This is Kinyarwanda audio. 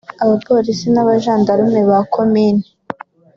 abapolisi n’abajandarume ba Komini